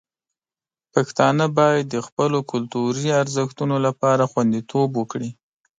پښتانه باید د خپلو کلتوري ارزښتونو لپاره خوندیتوب وکړي.